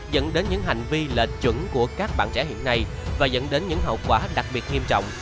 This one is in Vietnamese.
dẫn đến những hành vi lệch chuẩn của các bạn trẻ hiện nay và dẫn đến những hậu quả đặc biệt nghiêm trọng